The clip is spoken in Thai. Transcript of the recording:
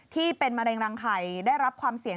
ที่เป็นมะเร็งรังไข่ได้รับความเสี่ยง